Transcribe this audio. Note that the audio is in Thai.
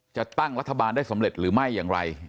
จะตั้งรัฐบาลได้สำเร็จหรือไม่อย่างไร